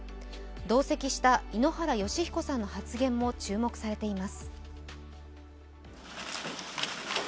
同席した井ノ原快彦さんの発言も注目されています。